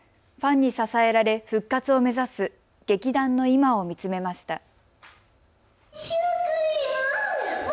ファンに支えられ復活を目指す劇団の今を見つめました。